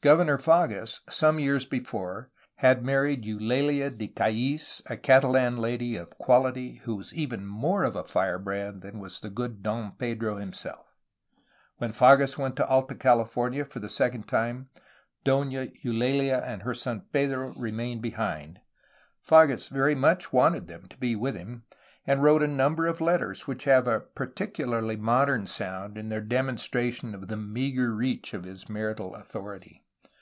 Governor Fages, some years before, had married Eulalia de Callis, a Catalan lady of quality who was even more of a firebrand than was the good Don Pedro himself. When Fages went to Alta California for the second time, Doiia EulaUa and her son Pedro remained behind. Fages very much wanted them to be with him, and wrote a number of letters which have a peculiarly modern sound in their demon stration of the meagre reach of his marital authority.